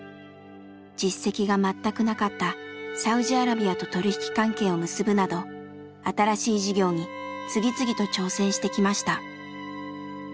実績が全くなかったサウジアラビアと取り引き関係を結ぶなど新しい事業に次々と挑戦してきました。